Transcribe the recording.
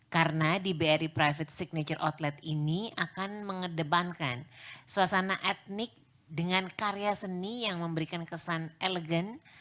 karena di bri private signature outlet ini akan mengedepankan suasana etnik dengan karya seni yang memberikan kesan elegan